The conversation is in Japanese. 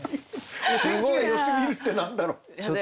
「お天気がよすぎる」って何だろう？